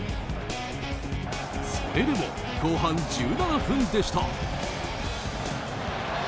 それでも後半１７分でした。